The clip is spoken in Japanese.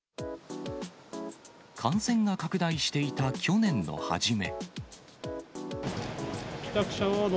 感染が拡大していた去年の初め。